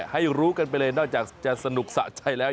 ให้รู้กันไปเลยนอกจากจะสนุกสะใจแล้ว